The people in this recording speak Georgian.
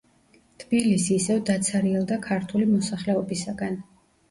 თბილისი ისევ დაცარიელდა ქართული მოსახლეობისაგან.